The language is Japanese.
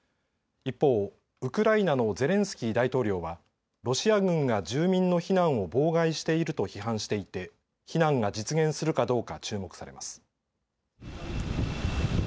一方、ウクライナのゼレンスキー大統領はロシア軍が住民の避難を妨害していると批判していて避難が実現するかどうか注目されます。